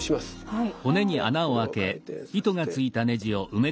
はい。